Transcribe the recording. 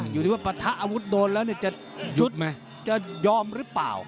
อยู่ที่ว่าประทะอาวุธโดนแล้วจะยอมหรือเปล่า